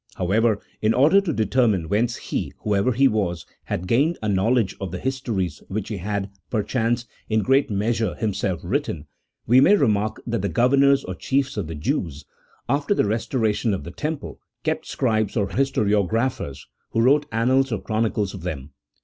However, in order to determine whence he, whoever he was, had gained a knowledge of 1 See Note 21. CHAP. X.] OF THE PROPHETIC BOOKS. 151 the histories which he had, perchance, in great measure himself written, we may remark that the governors or chiefs of the Jews, after the restoration of the Temple, kept scribes or historiographers, who wrote annals or chronicles of them.